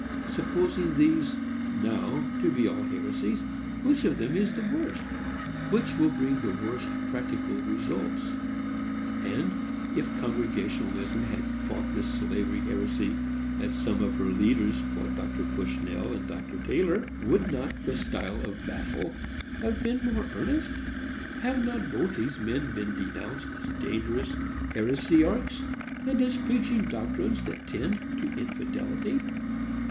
Supposing these, now, to be all heresies, which of them is the worst?—which will bring the worst practical results? And, if Congregationalism had fought this slavery heresy as some of her leaders fought Dr. Bushnell and Dr. Taylor, would not the style of battle have been more earnest? Have not both these men been denounced as dangerous heresiarchs, and as preaching doctrines that tend to infidelity?